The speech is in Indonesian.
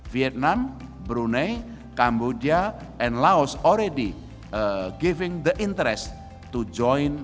vietnam brunei cambodia dan laos sudah memberikan keuntungan